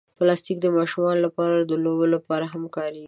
پلاستيک د ماشومانو د لوبو لپاره هم کارېږي.